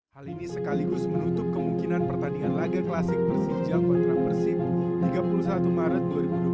hal ini sekaligus menutup kemungkinan pertandingan laga klasik persija kontra persib tiga puluh satu maret dua ribu dua puluh tiga